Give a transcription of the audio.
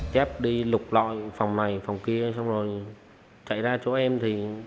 chép đi lục lọi phòng này phòng kia xong rồi chạy ra chỗ em thì